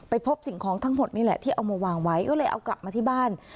พบสิ่งของทั้งหมดนี่แหละที่เอามาวางไว้ก็เลยเอากลับมาที่บ้าน